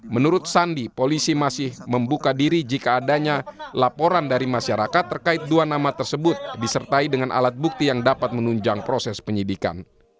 menurut sandi polisi masih membuka diri jika adanya laporan dari masyarakat terkait dua nama tersebut disertai dengan alat bukti yang dapat menunjang proses penyidikan